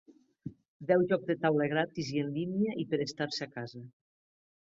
Deu Jocs de Taula gratis i en línia i per estar-se a casa.